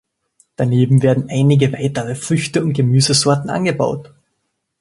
Daneben werden einige weitere Früchte und Gemüsesorten angebaut.